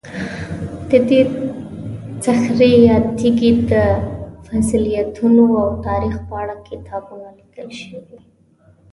د دې صخرې یا تیږې د فضیلتونو او تاریخ په اړه کتابونه لیکل شوي.